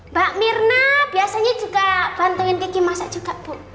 mbak mirna biasanya juga bantuin gigi masak juga bu